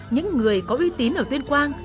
những người có uy tín ở tuyên quang